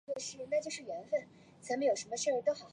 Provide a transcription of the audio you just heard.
凤凰寺位于湖南省怀化市沅陵县沅江南岸的凤凰山上。